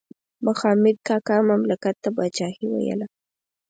مخامد کاکا مملکت ته پاچاهي ویله.